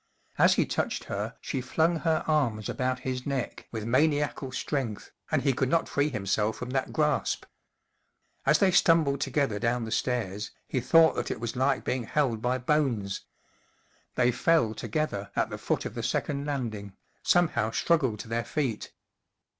As he touched her she flung her arms about his neck with maniacal strength and he could not free himself from that grasp. As they stumbled together down the stairs, he thought that it was like being held by bones. They fell together at the foot of the second landing, somehow struggled to their feet.